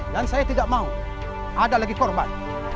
dan saya tidak mau ada lagi korban